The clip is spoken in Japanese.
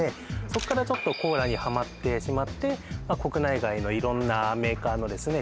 そっからちょっとコーラにハマってしまって国内外の色んなメーカーのですね